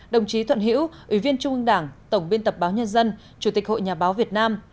đồng chí thuận hữu ủy viên trung ương đảng tổng biên tập báo nhân dân chủ tịch hội nhà báo việt nam